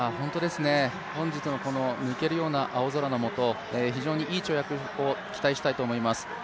本日の抜けるような青空のもと非常にいい跳躍を期待したいと思います。